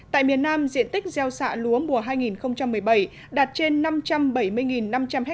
tại miền nam diện tích gieo xạ lúa mùa hai nghìn một mươi bảy đạt trên năm trăm bảy mươi năm trăm linh ha